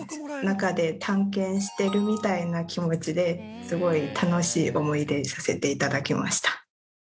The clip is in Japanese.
中で探検してるみたいな気持ちですごい楽しい思い出にさせて頂きました。